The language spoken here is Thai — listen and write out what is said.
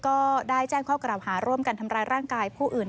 ก็ได้แจ้งข้อกล่าวหาร่วมกันทำร้ายร่างกายผู้อื่น